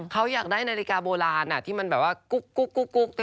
เขาอยากได้นาฬิกาโบราณที่มันแบบว่ากุ๊ก